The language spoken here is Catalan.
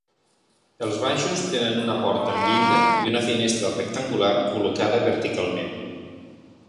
Els baixos tenen una porta amb llinda i una finestra rectangular col·locada verticalment.